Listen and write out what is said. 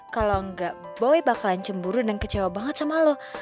kalau nggak boy bakalan cemburu dan kecewa banget sama lo